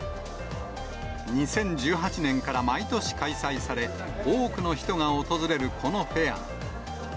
２０１８年から毎年開催され、多くの人が訪れるこのフェア。